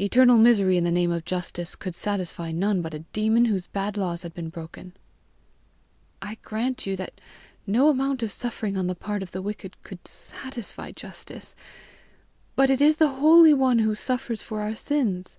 Eternal misery in the name of justice could satisfy none but a demon whose bad laws had been broken." "I grant you that no amount of suffering on the part of the wicked could SATISFY justice; but it is the Holy One who suffers for our sins!"